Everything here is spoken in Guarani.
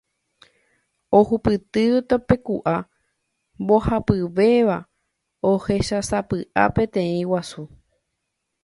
Ohupytývo tapeku'a mbohapyvéva ohechásapy'a peteĩ guasu.